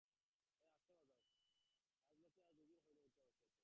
রাজলক্ষ্মী আজ দুইদিন হইল উঠিয়া বসিয়াছেন।